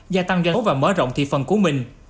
gia tăng giao dịch và mở rộng thị phần của mình